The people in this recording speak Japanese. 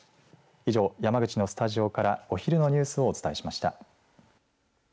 以上、山口のスタジオからお昼のニュースをお伝えしました。